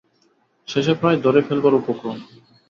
শেষে প্রায় ধরে ফেলবার উপক্রম।